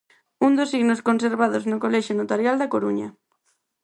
Un dos signos conservados no Colexio Notarial da Coruña.